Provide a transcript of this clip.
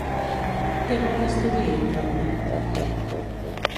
Què vol que estudiï en Ramonet?